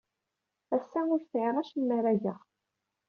Ass-a, ur sɛiɣ acemma ara geɣ.